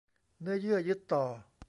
เนื้อเยื่อยึดต่อ